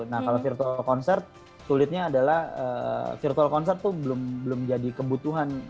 nah kalau virtual concert sulitnya adalah virtual concert tuh belum jadi kebutuhan